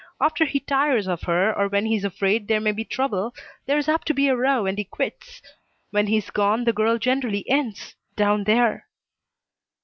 After he tires of her, or when he's afraid there may be trouble, there's apt to be a row and he quits. When he's gone the girl generally ends down there."